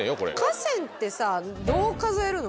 河川ってさどう数えるの？